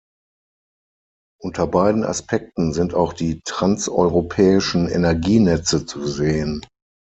Unter beiden Aspekten sind auch die transeuropäischen Energienetze zu sehen.